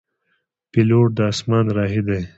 پیلوټ د اسمان راهی دی.